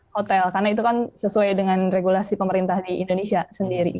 hotel karena itu kan sesuai dengan regulasi pemerintah di indonesia sendiri